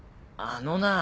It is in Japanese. あのな。